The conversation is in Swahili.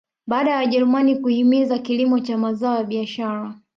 Baada ya wajerumani kuhimiza kilimo cha mazao ya biashara